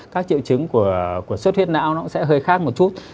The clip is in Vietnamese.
các triệu chứng của xuất huyết não nó cũng sẽ hơi khác một chút